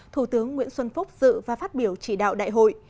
thủ tướng nguyễn xuân phúc dự và phát biểu chỉ đạo đại hội